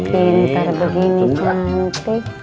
pinter begini cantik